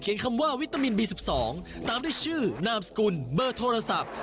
คำว่าวิตามินบี๑๒ตามด้วยชื่อนามสกุลเบอร์โทรศัพท์